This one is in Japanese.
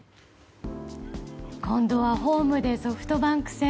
今度はホームでソフトバンク戦。